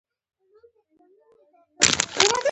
افغانستان کې د فاریاب د پرمختګ هڅې روانې دي.